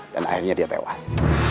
dan akhirnya dia tewas